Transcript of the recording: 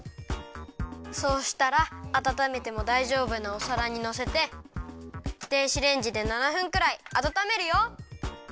そうしたらあたためてもだいじょうぶなおさらにのせて電子レンジで７分くらいあたためるよ。